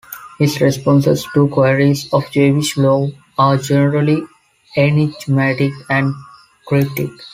His responses to queries of Jewish law are generally enigmatic and cryptic.